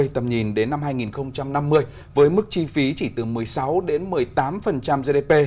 tầm nhìn đến năm hai nghìn năm mươi với mức chi phí chỉ từ một mươi sáu đến một mươi tám gdp